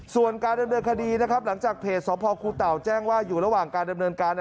ส่วนการดำเนินคดีนะครับหลังจากเพจสพครูเต่าแจ้งว่าอยู่ระหว่างการดำเนินการ